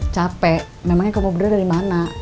capek memangnya kamu bener dari mana